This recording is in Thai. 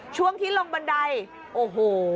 ช่วงที่ลงบันไดโอ้โห